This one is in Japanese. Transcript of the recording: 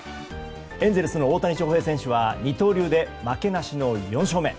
エンゼルスの大谷翔平選手は二刀流で、負けなしの４勝目。